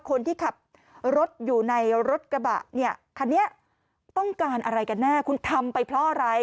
คนที่ขับรถอยู่ในรถกระบะเนี่ยคันนี้ต้องการอะไรกันแน่คุณทำไปเพราะอะไร